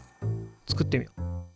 作ってみよう。